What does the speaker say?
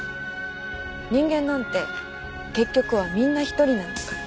人間なんて結局はみんな一人なんだから。